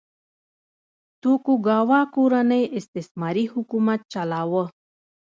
توکوګاوا کورنۍ استثماري حکومت چلاوه.